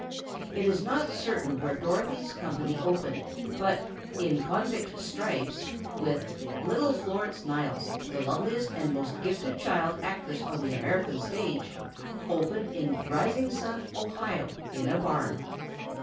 It is not certain where Dorothy's company opened, but "In Convict Stripes," with "Little Florence Niles, the loveliest and most gifted child actress on the American stage," opened at Risingsun, Ohio, in a barn.